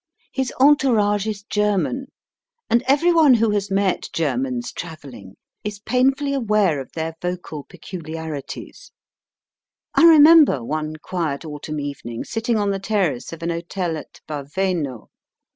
His entourage is German, and every one who has met Germans travelling is painfully aware of their vocal pecuhari ties. I remember one quiet autumn evening sitting on the terrace of an hotel at Baveno.